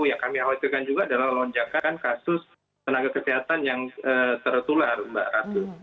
yang kami khawatirkan juga adalah lonjakan kasus tenaga kesehatan yang tertular mbak ratu